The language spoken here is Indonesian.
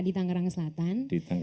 di tangerang selatan